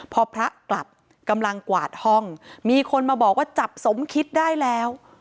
พอพระกลับกำลังกวาดห้องมีคนมาบอกว่าจับสมคิดได้แล้ว